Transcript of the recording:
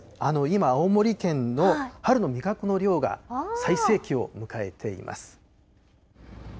今、青森県の春の味覚の漁が、最盛期を迎えています。